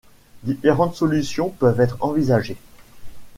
Différentes solutions peuvent être envisagées.